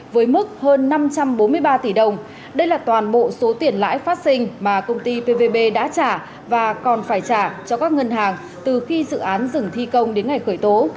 với mức hơn năm trăm bốn mươi ba tỷ đồng đây là toàn bộ số tiền lãi phát sinh mà công ty pvb đã trả và còn phải trả cho các ngân hàng từ khi dự án dừng thi công đến ngày khởi tố